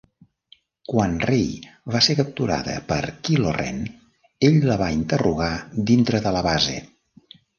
Quan Rey va ser capturada per Kylo Ren, ell la va interrogar dintre de la base.